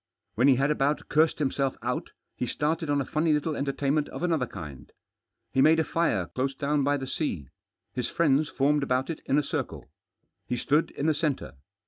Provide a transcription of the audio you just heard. When he had about cursed himself out, he started on a funny little enter tainment of another kind. He made a fir§ close down by the sea. His friends formed about it in a circle. He stood in the centre.